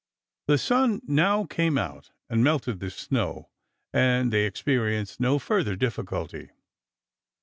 The sun now came out and melted the snow and they experienced no further difficulty.